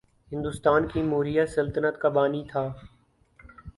ہندوستان کی موریا سلطنت کا بانی تھا